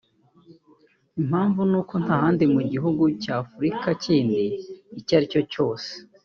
Impamvu ni uko nta handi mu gihugu cya Afrika kindi icyo aricyo cyose